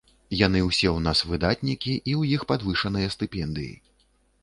Яны ўсе ў нас выдатнікі, у іх падвышаныя стыпендыі.